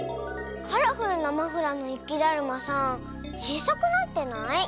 カラフルなマフラーのゆきだるまさんちいさくなってない？